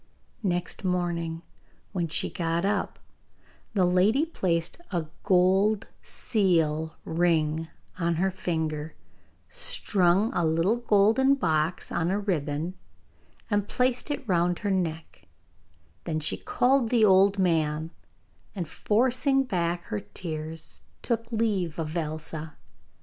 Next morning, when she got up, the lady placed a gold seal ring on her finger, strung a little golden box on a ribbon, and placed it round her neck; then she called the old man, and, forcing back her tears, took leave of Elsa.